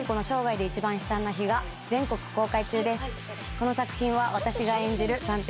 この作品は私が演じる探偵